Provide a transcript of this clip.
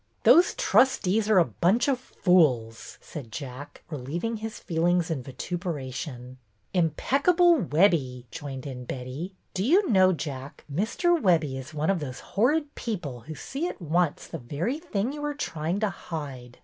Those trustees are a bunch of fools," said Jack, relieving his feelings in vituperation. Impeccable Webbie! " joined in Betty. Do you know. Jack, Mr. Webbie is one of those horrid people who see at once the very thing you are trying to hide?